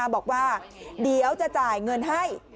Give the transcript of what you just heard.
บอกว่าเดี๋ยวจะจ่ายเงินให้